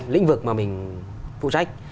lĩnh vực mà mình phụ trách